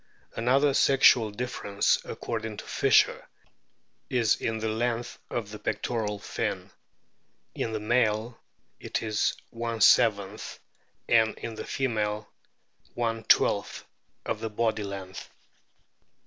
Another sexual difference, according to Fischer, is in the length of the pectoral fin ; in the male it is }, and in the female T ^ of the body length.